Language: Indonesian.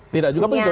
tidak juga begitu